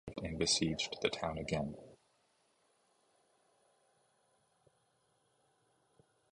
However, a second rebel force arrived and besieged the town again.